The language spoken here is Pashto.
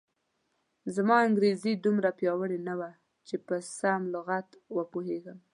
زما انګریزي دومره پیاوړې نه وه چې په سم لغت و پوهېږم.